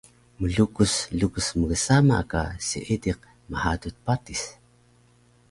Mlukus lukus mgsama ka seediq mhaduc patis